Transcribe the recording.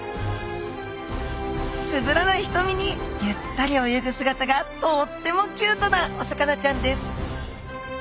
つぶらなひとみにゆったり泳ぐ姿がとってもキュートなお魚ちゃんです。